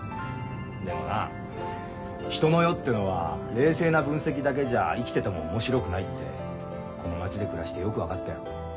でもな人の世ってのは冷静な分析だけじゃ生きてても面白くないってこの町で暮らしてよく分かったよ。